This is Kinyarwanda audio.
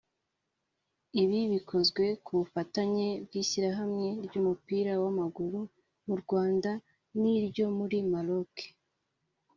Ibi bikozwe ku bufatanye bw’Ishyirahamwe ry’Umupira w’Amaguru mu Rwanda n’iryo muri Maroc